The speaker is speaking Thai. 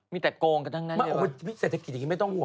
มีแต่โกงกันดั้งนั้นครับ